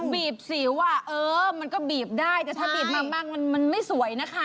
บีบสิวมันก็บีบได้แต่ถ้าบีบมาบ้างมันไม่สวยนะคะ